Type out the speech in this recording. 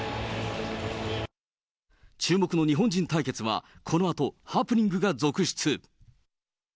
注目の日本人対決は、このあと、ハプニングが続出。